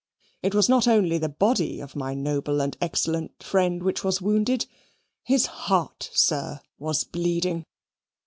It was not only the body of my noble and excellent friend which was wounded his heart, sir, was bleeding.